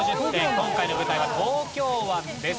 今回の舞台は東京湾です。